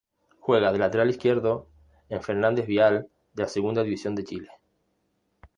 Juega de lateral izquierdo en Fernández Vial de la Segunda División de Chile.